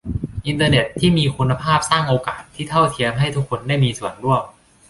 อินเตอร์เน็ตที่มีคุณภาพสร้างโอกาสที่เท่าเทียมให้ทุกคนได้มีส่วนร่วม